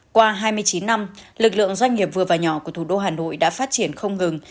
qua hai mươi chín năm lực lượng doanh nghiệp vừa và nhỏ của thủ đô hà nội đã phát triển không ngừng